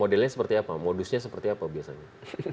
modelnya seperti apa modusnya seperti apa biasanya